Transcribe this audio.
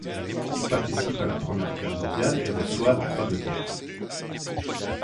Il participe à la Première guerre mondiale et reçoit la croix de guerre.